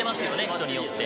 人によって。